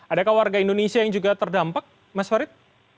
adakah warga indonesia yang juga terdampak mas farid